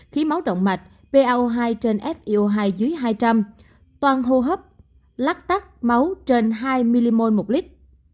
khí máu động mạch pao hai trên fio hai dưới hai trăm linh toàn hô hấp lắc tắc máu trên hai mmol một lít